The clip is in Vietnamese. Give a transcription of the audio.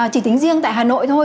chỉ tính riêng tại hà nội thôi